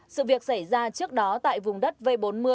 sự việc xảy ra trước đó tại vùng đất v bốn mươi